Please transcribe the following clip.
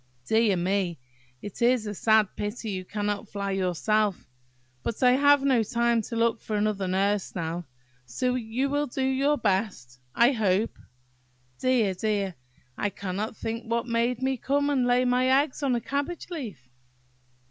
Dear me! it is a sad pity you cannot fly yourself. But I have no time to look for another nurse now, so you will do your best, I hope. Dear! dear! I cannot think what made me come and lay my eggs on a cabbage leaf!